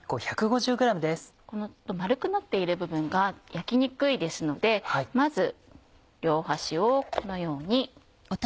この丸くなっている部分が焼きにくいですのでまず両端をこのように。